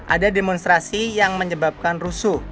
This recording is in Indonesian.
ada demonstrasi yang menyebabkan rusuh